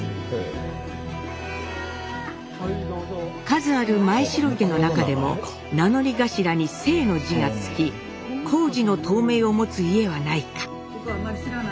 数ある前城家の中でも名乗り頭に「正」の字が付き胡氏の唐名を持つ家はないか。